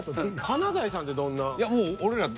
華大さんってどんな？